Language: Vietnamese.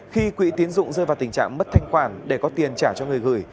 khi quỹ tín dụng rơi vào tình trạng mất thanh quản để có tiền trả cho người gửi